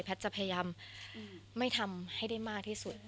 จะพยายามไม่ทำให้ได้มากที่สุด